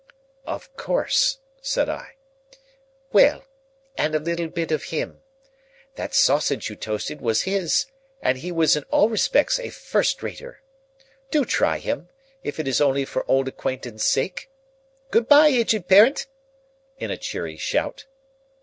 "Of course," said I. "Well; and a little bit of him. That sausage you toasted was his, and he was in all respects a first rater. Do try him, if it is only for old acquaintance sake. Good bye, Aged Parent!" in a cheery shout.